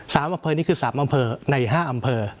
อำเภอนี้คือสามอำเภอในห้าอำเภอ